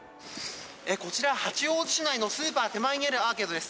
こちら、八王子市内のスーパー手前にあるアーケードです。